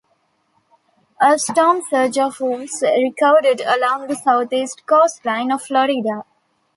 A storm surge of was recorded along the southeast coastline of Florida.